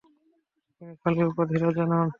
তিনি খালি উপাধির রাজা নন।